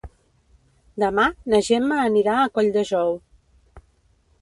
Demà na Gemma anirà a Colldejou.